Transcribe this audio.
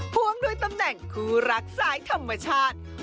พวงด้วยตำแหน่งคู่รักสายธรรมชาติ